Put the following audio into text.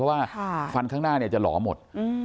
เพราะว่าฟันข้างหน้าจะหล่อหมด